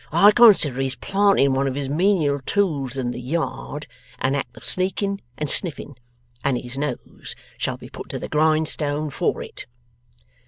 I consider his planting one of his menial tools in the yard, an act of sneaking and sniffing. And his nose shall be put to the grindstone for it.